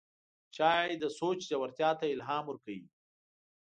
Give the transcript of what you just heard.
چای د سوچ ژورتیا ته الهام ورکوي